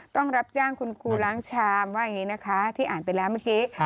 ต้องรับจ้างคุณครูล้างชามว่าอย่างนี้นะคะที่อ่านไปแล้วเมื่อกี้